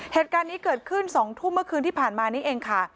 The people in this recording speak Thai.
เหตุการณ์นี้เกิดขึ้น๒ทุ่มเมื่อคืนที่ผ่านมานี้เองค่ะ